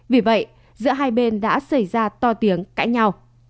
vì vậy giữa hai bên đã xảy ra to tiếng cãi nhau